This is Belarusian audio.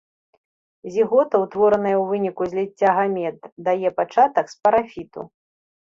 Зігота, утвораная ў выніку зліцця гамет, дае пачатак спарафіту.